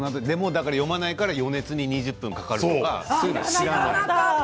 だから読まないから予熱に２０分かかるとか知らない。